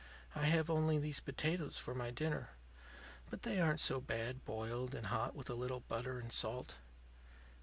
I have only these potatoes for my dinner. But they aren't so bad boiled and hot, with a little butter and salt."